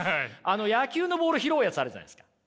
野球のボール拾うやつあるじゃないですか。